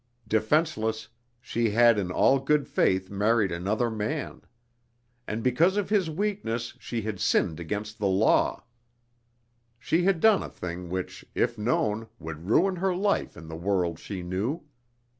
Defenseless, she had in all good faith married another man. And because of his weakness she had sinned against the law. She had done a thing which, if known, would ruin her life in the world she knew.